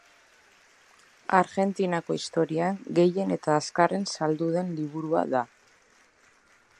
Argentinako historian gehien eta azkarren saldu den liburua da.